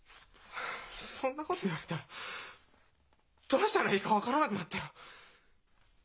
そんなこと言われたらどうしたらいいか分からなくなったよ！